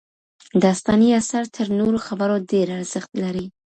داستاني اثر تر نورو خبرو ډېر ارزښت لري.